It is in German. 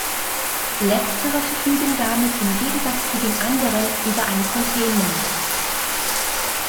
Letztere verfügen damit im Gegensatz zu den anderen über ein Containment.